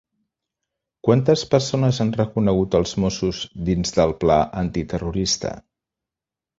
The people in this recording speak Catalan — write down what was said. Quantes persones han reconegut els Mossos dins del Pla antiterrorista?